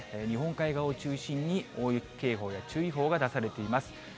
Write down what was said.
日本海側を中心に、大雪警報や注意報が出されています。